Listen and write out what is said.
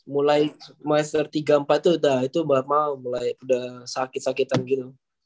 mulai semester tiga empat tuh udah itu mama mulai udah sakit sakitan gitu